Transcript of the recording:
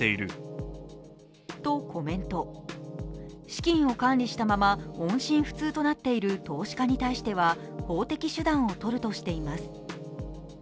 資金を管理したまま音信不通となっている投資家に対しては法的手段をとるとしています。